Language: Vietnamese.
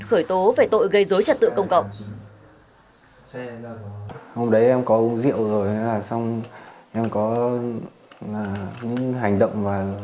khởi tố về tội gây dối trật tự công cộng